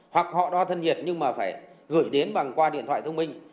hoặc họ đo thân nhiệt nhưng mà phải gửi đến bằng qua điện thoại thông minh